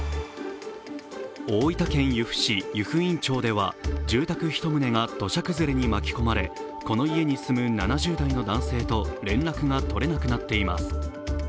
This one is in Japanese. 大分県由布市湯布院町では住宅１棟が土砂崩れに巻き込まれこの家に住む７０代の男性と連絡が取れなくなっています。